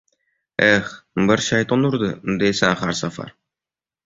«Eh, bir shayton urdi», deysan har safar